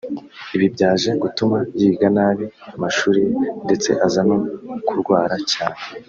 Ibi byaje gutuma yiga nabi amashuri ye ndetse aza no kurwara cyane